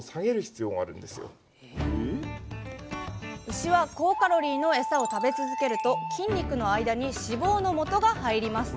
牛は高カロリーのエサを食べ続けると筋肉の間に脂肪のもとが入ります。